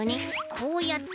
こうやって。